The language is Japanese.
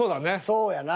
そうやな。